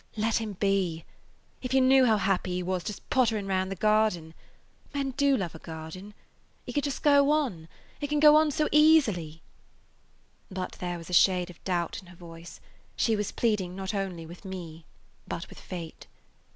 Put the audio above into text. Let him be. If you knew how happy he was just pottering round the garden. Men do love a garden. He could just go on. It can go on so easily." But there was a shade of doubt in her voice; she was pleading not only with me, but with fate.